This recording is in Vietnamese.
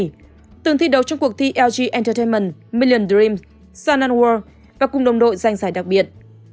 lisa đã từng thi đấu trong cuộc thi lg entertainment million dreams sun and world và cùng đồng đội danh giải đặc biệt